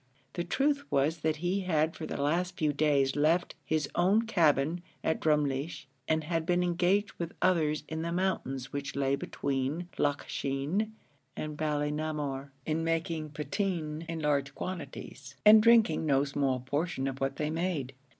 The truth was that he had for the last few days left his own cabin at Drumleesh, and had been engaged with others in the mountains which lay between Loch Sheen and Ballinamore, in making potheen in large quantities, and drinking no small portion of what they made.